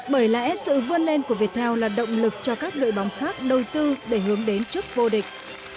bởi lại sự vươn lên của việt thao là động lực cho các đội bóng khác đôi tư để hướng đến chức vô địch